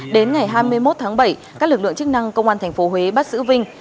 đến ngày hai mươi một tháng bảy các lực lượng chức năng công an tp huế bắt giữ vinh